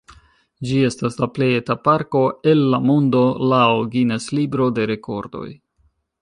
Ĝi estas la plej eta parko el la mondo, laŭ Guinness-libro de rekordoj.